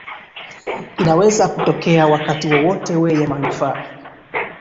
inaweza kutokea wakati wowote weye manufaa